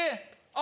あ！